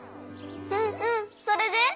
うんうんそれで？